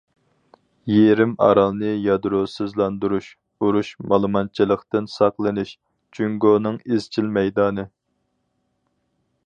يېرىم ئارالنى يادروسىزلاندۇرۇش، ئۇرۇش، مالىمانچىلىقتىن ساقلىنىش جۇڭگونىڭ ئىزچىل مەيدانى.